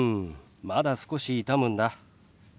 まだ少し痛むんだ。